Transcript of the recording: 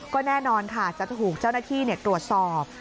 ก็แน่นอนค่ะจะถูกเจ้าหน้าที่ตรวจสอบ